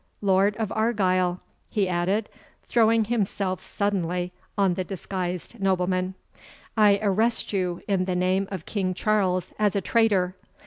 Lord of Argyle," he added, throwing himself suddenly on the disguised nobleman, "I arrest you in the name of King Charles, as a traitor.